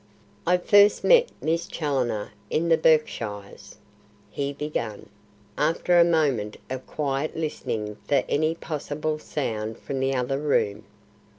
"I first met Miss Challoner in the Berkshires," he began, after a moment of quiet listening for any possible sound from the other room.